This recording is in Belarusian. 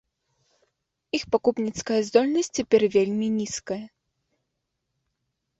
Іх пакупніцкая здольнасць цяпер вельмі нізкая.